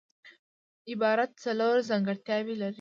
عبارت څلور ځانګړتیاوي لري.